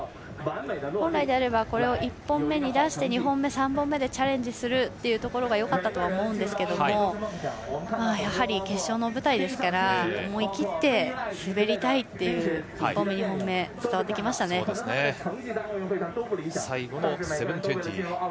本来であればこれを１本目に出して２本目、３本目でチャレンジするというところがよかったとは思いますがやはり決勝の舞台ですから思い切って滑りたいという１本目、２本目最後は７２０。